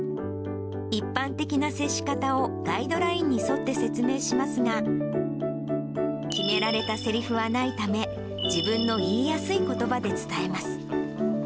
一般的な接し方をガイドラインに沿って説明しますが、決められたせりふはないため、自分の言いやすいことばで伝えます。